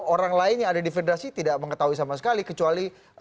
orang lain yang ada di federasi tidak mengetahui sama sekali kecuali